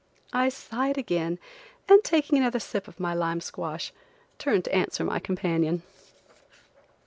I sighed again, and taking another sip of my lime squash, turned to answer my companion.